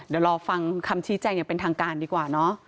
เดี๋ยวรอฟังคำชี้แจงอย่างเป็นทางการดีกว่าเนอะ